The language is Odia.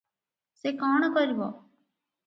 ସେ କଣ କରିବ?